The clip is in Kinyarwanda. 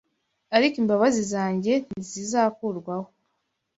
ariko imbabazi zanjye ntizizakurwaho